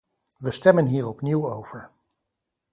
We stemmen hier opnieuw over.